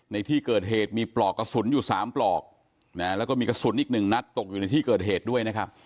ในที่เกิดเหตุมีปลอกกระสุนอยู่๓ปลอกนะแล้วก็มีกระสุนอีกหนึ่งนัดตกอยู่ในที่เกิดเหตุด้วยนะครับ